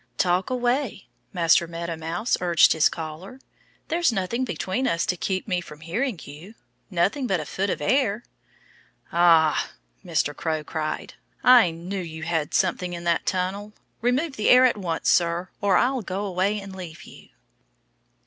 "Talk away!" Master Meadow Mouse urged his caller. "There's nothing between us to keep me from hearing you. Nothing but a foot of air!" "Ah!" Mr. Crow cried. "I knew you had something in that tunnel. Remove the air at once, sir, or I'll go away and leave you."